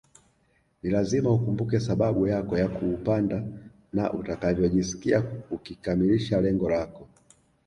Ni lazima ukumbuke sababu yako ya kuupanda na utakavyojisikia ukikamilisha lengo lako